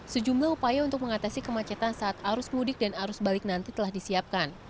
sejumlah upaya untuk mengatasi kemacetan saat arus mudik dan arus balik nanti telah disiapkan